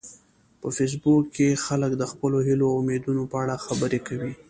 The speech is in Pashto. په فېسبوک کې خلک د خپلو هیلو او امیدونو په اړه خبرې کوي